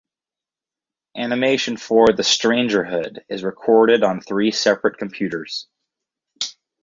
Animation for "The Strangerhood" is recorded on three separate computers.